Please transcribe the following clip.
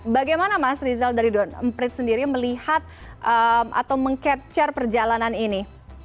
bagaimana mas rizal dari don emprits sendiri melihat atau meng capture perjalanan ini